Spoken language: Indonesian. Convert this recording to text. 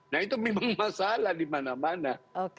nah itu memang masalah dimana mana